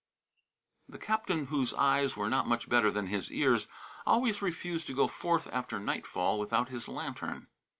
"The captain, whose eyes were not much better than his ears, always refused to go forth after nightfall without his lantern.